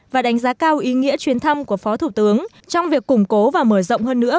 và đánh giá cao ý nghĩa chuyến thăm của phó thủ tướng trong việc củng cố và mở rộng hơn nữa